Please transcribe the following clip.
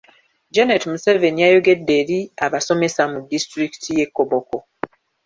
Janet Museveni yayogedde eri abasomesa mu disitulikiti y'e Koboko.